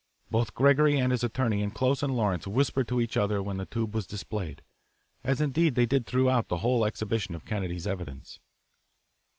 Both Gregory and his attorney and Close and Lawrence whispered to each other when the tube was displayed, as indeed they did throughout the whole exhibition of Kennedy's evidence.